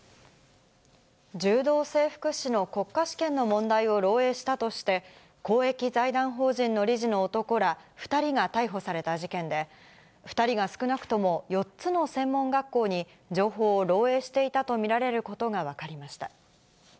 柔道整復師の国家試験の問題を漏えいしたとして、公益財団法人の理事の男ら２人が逮捕された事件で、２人が少なくとも４つの専門学校に、情報を漏えいしていたと見られることが分かりました。